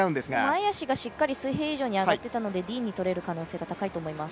前足がしっかり水平以上に上がっていたのでＤに取れる可能性が高いと思います